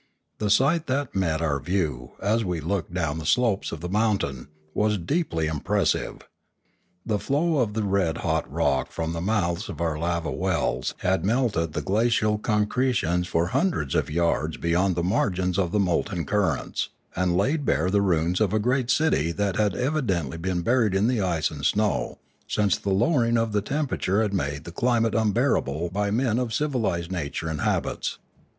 The sight that met our view, as we looked down the slopes of the mountain, was deeply impressive. The flow of the red hot rock from the mouths of our lava wells had melted the glacial concre tions for hundreds of yards beyond the margins of the molten currents, and laid bare the ruins of a great city that had evidently been buried in ice and snow since the lowering of the temperature had made the climate 644 Limanora unbearable by men of civilised nurture and habits.